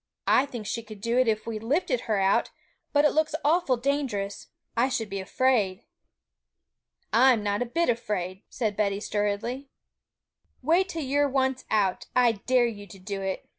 'I think she could do it if we lifted her out; but it looks awful dangerous; I should be afraid.' 'I'm not a bit afraid,' said Betty sturdily. 'You wait till you're once out. I dare you to do it!'